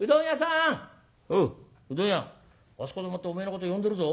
「おううどん屋あそこでもってお前のこと呼んでるぞ」。